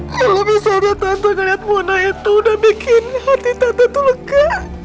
kalau misalnya tante ngeliat warna itu udah bikin hati tante lega